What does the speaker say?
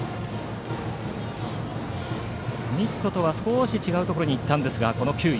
ミットとは少し違うところに行ったんですがこの球威。